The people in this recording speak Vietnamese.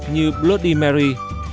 như bloody mary